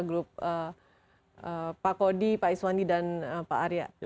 group pak kody pak iswani dan pak arya